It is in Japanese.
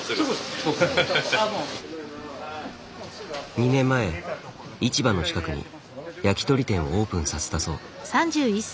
２年前市場の近くに焼き鳥店をオープンさせたそう。